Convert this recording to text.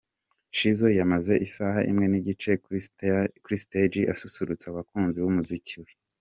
Shizzo yamaze isaha imwe n'igice kuri stage asusurutsa abakunzi b'umuziki we.